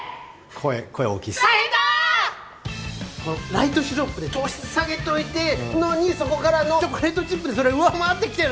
ライトシロップで糖質下げておいてんのにそこからのチョコレートチップでそれ上回ってきてる。